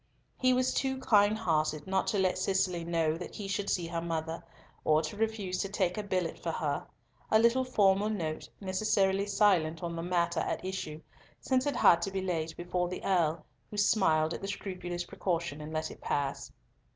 He was too kind hearted not to let Cicely know that he should see her mother, or to refuse to take a billet for her,—a little formal note necessarily silent on the matter at issue, since it had to be laid before the Earl, who smiled at the scrupulous precaution, and let it pass.